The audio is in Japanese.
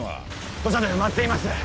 土砂で埋まっています